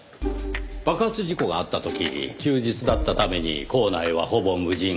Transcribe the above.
爆発事故があった時休日だったために構内はほぼ無人。